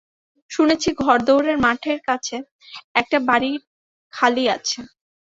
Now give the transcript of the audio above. শুনেছি, ঘোড়দৌড়ের মাঠের কাছে একটা বাড়ি খালি আছে।